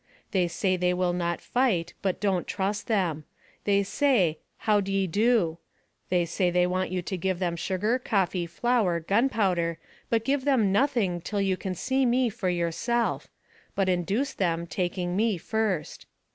They say they will not fight, but don't trust them. They say, 6 How d 'ye do.' The}' say they want you to give them sugar, coffee, flour, gunpowder, but give them nothing till you can see me for yourself, but induce them, taking me first.